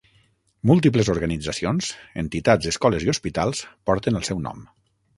Múltiples organitzacions, entitats, escoles i hospitals porten el seu nom.